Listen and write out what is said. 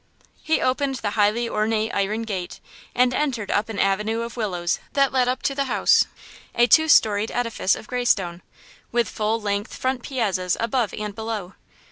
He opened the highly ornate iron gate and entered up an avenue of willows that led up to the house, a two storied edifice of graystone, with full length front piazzas above and below.